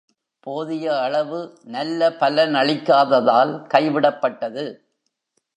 போதிய அளவு நல்ல பலனளிக்காததால் கைவிடப்பட்டது.